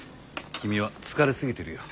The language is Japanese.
君は疲れすぎてるよ。